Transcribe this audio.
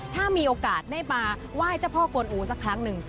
ถ้ามีโอกาสได้มาไหว้เจ้าพ่อกวนอูสักครั้งหนึ่ง